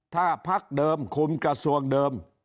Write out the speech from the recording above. ถ้าพักเดิมคุมกระทรวงเดิม